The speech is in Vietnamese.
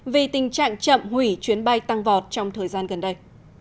vì tình trạng chậm hủy chuyến bay tăng vọt trong thời gian gần đây